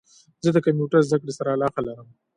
زه د کمپیوټرد زده کړي سره علاقه لرم